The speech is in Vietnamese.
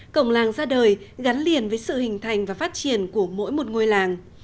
cổng làng ra đời gắn liền với sự hình thành và phát triển của mỗi một ngôi làng